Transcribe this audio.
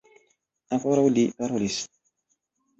Ankoraŭ li parolis.